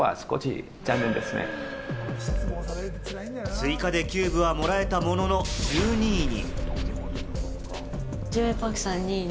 追加でキューブはもらえたものの、１２位に。